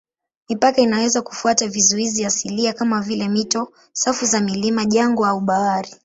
Mipaka inaweza kufuata vizuizi asilia kama vile mito, safu za milima, jangwa au bahari.